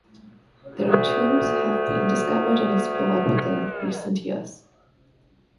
Their tombs have been discovered and explored within recent years.